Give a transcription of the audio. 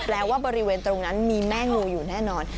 ว่าบริเวณตรงนั้นมีแม่งูอยู่แน่นอน